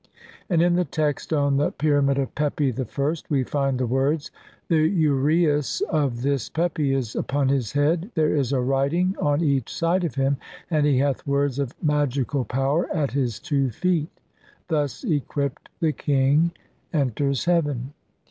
And in the text on the pyramid of Pepi I we find the words, "The uraeus of "this Pepi is upon his head, there is a writing on "each side of him, and he hath words of magical "power at his two feet" ; thus equipped the king enters heaven.